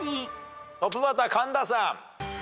トップバッター神田さん。